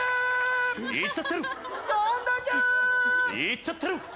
いっちゃってるー。